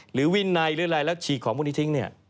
หรือวินัยแล้วฉีกของพวกนี้ทิ้ง